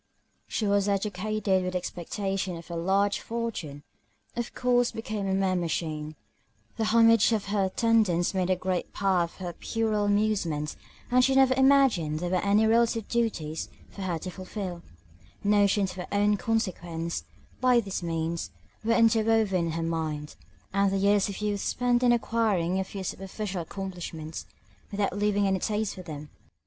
She was educated with the expectation of a large fortune, of course became a mere machine: the homage of her attendants made a great part of her puerile amusements, and she never imagined there were any relative duties for her to fulfil: notions of her own consequence, by these means, were interwoven in her mind, and the years of youth spent in acquiring a few superficial accomplishments, without having any taste for them.